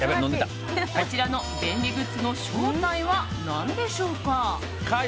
こちらの便利グッズの正体は何でしょうか？